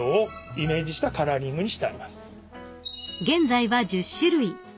［現在は１０種類］